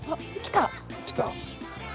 来た？